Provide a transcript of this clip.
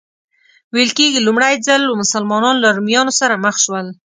ویل کېږي لومړی ځل و مسلمانان له رومیانو سره مخ شول.